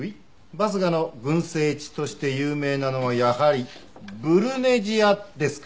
バスガの群生地として有名なのはやはりブルネジアですかね。